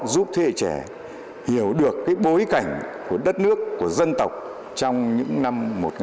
giúp thế hệ trẻ hiểu được cái bối cảnh của đất nước của dân tộc trong những năm một nghìn chín trăm năm mươi ba một nghìn chín trăm năm mươi bốn